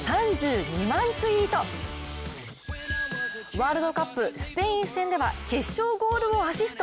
ワールドカップスペイン戦では決勝ゴールをアシスト。